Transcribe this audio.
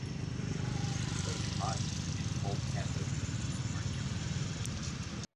Both hot- and cold-cathode versions are encountered.